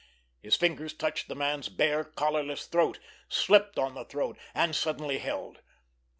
His fingers touched the man's bare, collarless throat, slipped on the throat—and suddenly held.